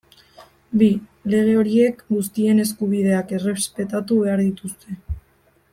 Bi, lege horiek guztien eskubideak errespetatu behar dituzte.